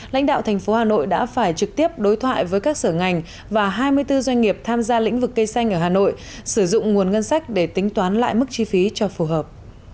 lãnh đạo thành phố hà nội đã phải trực tiếp đối thoại với các sở ngành và hai mươi bốn doanh nghiệp tham gia lĩnh vực cây xanh ở hà nội sử dụng nguồn ngân sách để tính toán lại mức chi phí cho phù hợp